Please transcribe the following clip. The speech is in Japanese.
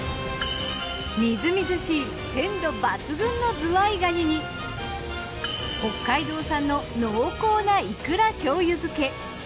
みずみずしい鮮度抜群のズワイガニに北海道産の濃厚ないくら醤油漬。